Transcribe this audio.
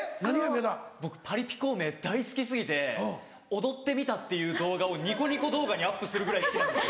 僕『パリピ孔明』大好き過ぎて「踊ってみた」っていう動画をニコニコ動画にアップするぐらい好きなんですよ。